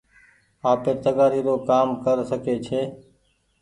آپير تگآري رو ڪآم ڪر سکي ڇي۔